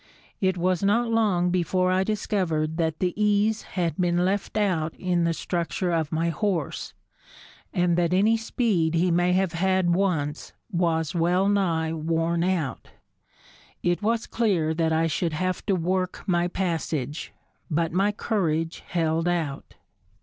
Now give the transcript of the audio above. It was not long before I discovered that the ease had been left out in the structure of my horse, and that any speed he may have had once was well nigh worn out. It was clear that I should have to work my passage, but my courage held out.